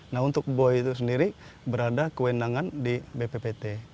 nah untuk boy itu sendiri berada kewenangan di bppt